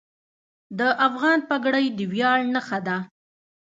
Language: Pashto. د افغان پګړۍ د ویاړ نښه ده.